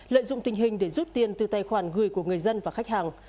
lợi dụng tình hình để rút tiền từ tài khoản gửi của người dân và khách hàng